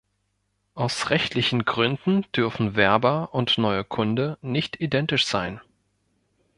Aus rechtlichen Gründen dürfen Werber und neuer Kunde nicht identisch sein.